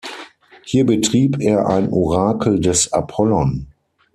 Hier betrieb er ein Orakel des Apollon.